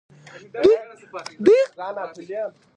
دوی غنم کرل.